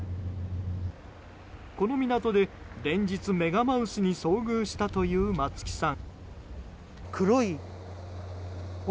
この港で連日メガマウスに遭遇したという松木さん。